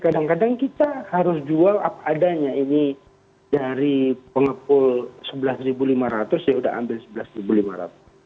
kadang kadang kita harus jual adanya ini dari pengepul rp sebelas lima ratus ya sudah ambil rp sebelas lima ratus